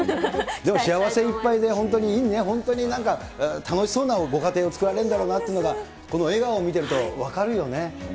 でも幸せいっぱいで、本当にいいね、本当になんか楽しそうなご家庭を作られるんだろうなっていうのがこの笑顔を見てると、分かるよね。